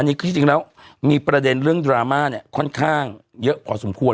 อันนี้คือที่จริงแล้วมีประเด็นเรื่องดราม่าเนี่ยค่อนข้างเยอะพอสมควร